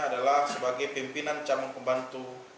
adalah sebagai pimpinan cabang pembantu